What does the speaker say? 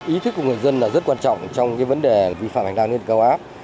ý thức của người dân là rất quan trọng trong cái vấn đề vi phạm hành lang liên cầu áp